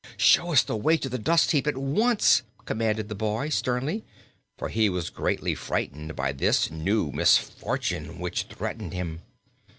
"Show us the way to the dust heap at once!" commanded the boy, sternly, for he was greatly frightened by this new misfortune which threatened him.